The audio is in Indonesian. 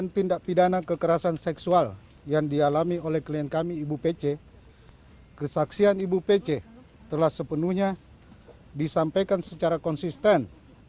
telah sepenuhnya disampaikan secara konsisten